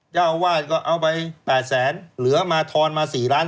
เจ้าอาวาสก็เอาไป๘แสนเหลือมาทอนมา๔ล้าน